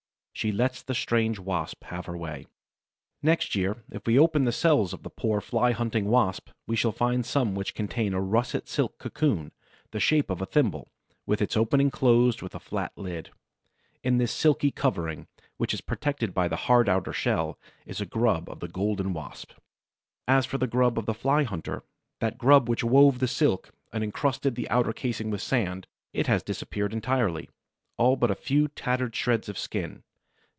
She lets the strange Wasp have her way. Next year, if we open the cells of the poor Fly hunting Wasp, we shall find some which contain a russet silk cocoon, the shape of a thimble, with its opening closed with a flat lid. In this silky covering, which is protected by the hard outer shell, is a grub of the Golden Wasp. As for the grub of the Fly hunter, that grub which wove the silk and encrusted the outer casing with sand, it has disappeared entirely, all but a few tattered shreds of skin.